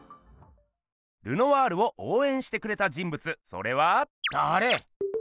ルノワールをおうえんしてくれた人物それは。だれ？